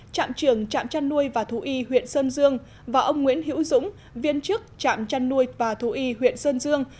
trạm trường trạm trăn nuôi và thú y huyện sơn dương và ông nguyễn hữu dũng viên chức trạm trăn nuôi và thú y huyện sơn dương